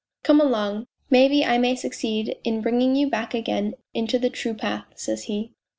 Come along ! Maybe I may succeed in bringing you back again into the true path,' says he